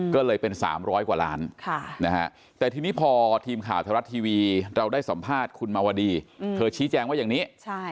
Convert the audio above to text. ก็เลยเป็น๓๐๐กว่าล้านแต่ทีนี้พอทีมข่าวไทยรัฐทีวีเราได้สัมภาษณ์คุณมาวดีเธอชี้แจงว่าอย่างนี้